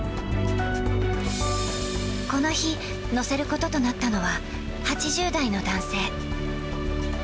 この日、乗せることとなったのは、８０代の男性。